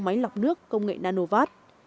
máy lọc nước công nghệ nano vát